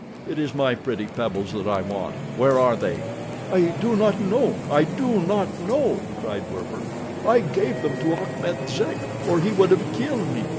It is my pretty pebbles that I want—where are they?" "I do not know, I do not know," cried Werper. "I gave them to Achmet Zek or he would have killed me.